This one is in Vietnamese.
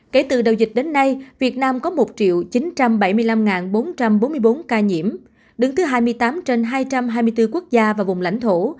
kể từ đầu dịch đến nay việt nam có một chín trăm bảy mươi năm bốn trăm bốn mươi bốn ca nhiễm đứng thứ hai mươi tám trên hai trăm hai mươi bốn quốc gia và vùng lãnh thổ